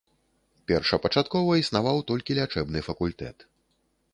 Першапачаткова існаваў толькі лячэбны факультэт.